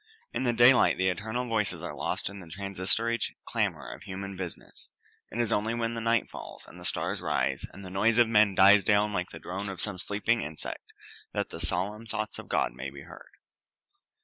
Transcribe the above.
In the daylight the eternal voices are lost in the transitory clamor of human business; it is only when the night falls, and the stars rise, and the noise of men dies down like the drone of some sleeping insect, that the solemn thoughts of God may be heard.